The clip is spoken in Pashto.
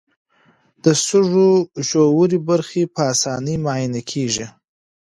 د سږو ژورې برخې په اسانۍ معاینه کېږي.